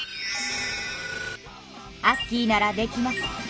アッキーならできます。